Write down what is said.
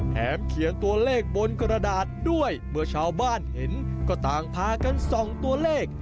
เขียนตัวเลขบนกระดาษด้วยเมื่อชาวบ้านเห็นก็ต่างพากันส่องตัวเลข